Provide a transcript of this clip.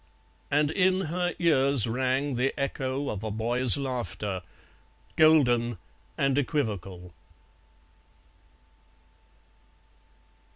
And in her ears rang the echo of a boy's laughter, golden and equivocal.